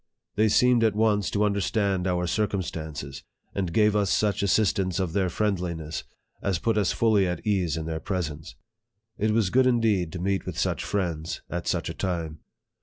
They seemed at once to understand our circumstances, and gave us such assurance of their friendliness as put us fully at ease in their presence. It was good indeed to meet with such friends, at such a time.